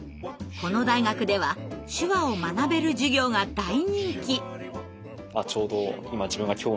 この大学では手話を学べる授業が大人気。